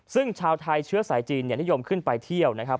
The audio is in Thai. ซึ่งชาวไทยเชื้อสายจีนนิยมขึ้นไปเที่ยวนะครับ